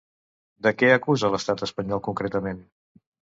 De què acusa l'estat espanyol concretament?